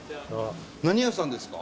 何屋さんですか？